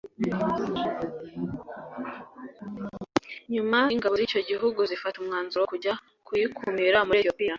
nyuma ingabo z’icyo gihugu zifata umwanzuro wo kujya kuyikumira muri Ethiopia